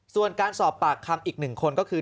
ส่วนการสอบปากคำอีก๑คนก็คือ